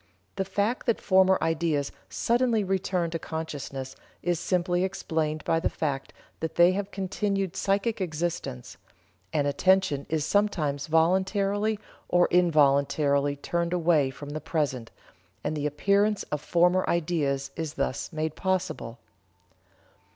The fact that former ideas suddenly return to consciousness is simply explained by the fact that they have continued psychic existence: and attention is sometimes voluntarily or involuntarily turned away from the present, and the appearance of former ideas is thus made possible."